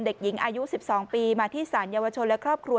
เด็กหญิงอายุ๑๒ปีมาที่สารเยาวชนและครอบครัว